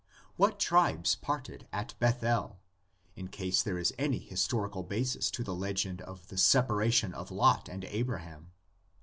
What tribes parted at Bethel, in case there is any histor ical basis to the legend of the separation of Lot and Abraham?